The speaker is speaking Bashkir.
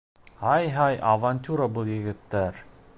Ай-һай, авантюра был, егеттәр!